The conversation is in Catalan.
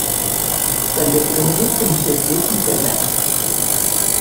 També conegut com a circuit integrat.